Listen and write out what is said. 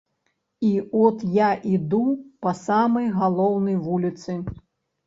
І от я іду па самай галоўнай вуліцы.